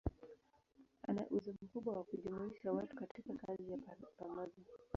Ana uwezo mkubwa wa kujumuisha watu katika kazi ya pamoja.